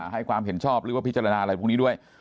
ให้ความเห็นชอบหรือว่าพิจารณาอะไรพวกนี้ด้วย